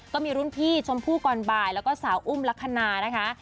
ก็มีรุ่นพี่ชมพู่ก่อนบ่ายแล้วก็สาวอุ้มลักษณะนะคะ